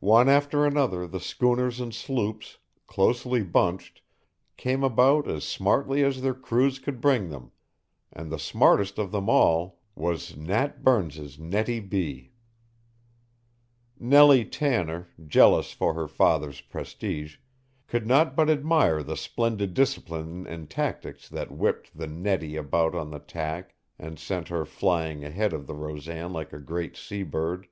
One after another the schooners and sloops, closely bunched, came about as smartly as their crews could bring them and the smartest of them all was Nat Burns's Nettie B. Nellie Tanner, jealous for her father's prestige, could not but admire the splendid discipline and tactics that whipped the Nettie about on the tack and sent her flying ahead of the Rosan like a great seabird.